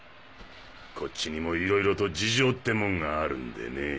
こっちにもいろいろと事情ってもんがあるんでね。